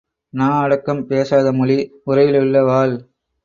நா அடக்கம் பேசாத மொழி உறையிலுள்ள வாள்.